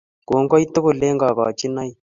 Kongoi tugul eng Kokochinoik